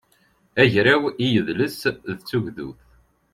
agraw i yidles d tugdut